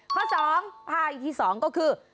ข้อสองภาคที่สองก็คือ